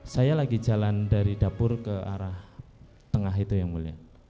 saya lagi jalan dari dapur ke arah tengah itu yang mulia